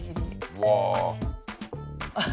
うわ。